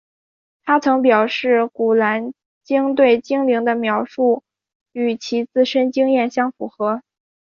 她曾表示古兰经对精灵的描述与其自身经验相符合。